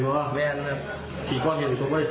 ก็เป็นแบบนั้นนมันเกิดไกลมากเลย